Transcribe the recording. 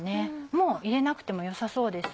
もう入れなくても良さそうです。